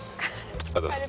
ありがとうございます。